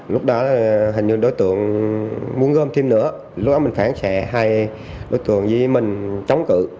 lúc đó hình như đối tượng muốn gom thêm nữa lúc đó mình phản xạ hay đối tượng với mình chống cự